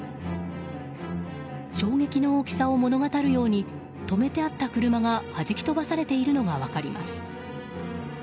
衝撃の大きさを物語るように止めてあった車がはじき飛ばされているのが分かります。